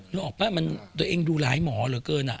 นึกออกปะตัวเองดูร้ายหมอเหลือเกินอ่ะ